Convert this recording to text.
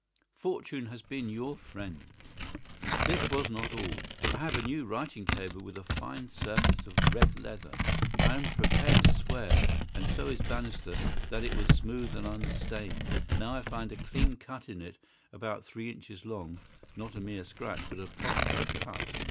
"Fortune has been your friend." "This was not all. I have a new writing table with a fine surface of red leather. I am prepared to swear, and so is Bannister, that it was smooth and unstained. Now I found a clean cut in it about three inches long—not a mere scratch, but a positive cut.